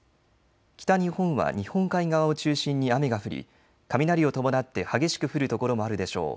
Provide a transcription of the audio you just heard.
北日本は日本海側を中心に雨が降り、雷を伴って激しく降る所もあるでしょう。